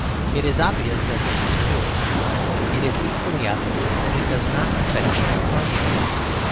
It is obvious that this is true; it is equally obvious that it does not affect our argument.